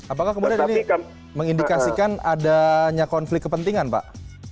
apakah kemudian ini mengindikasikan adanya konflik kepentingan pak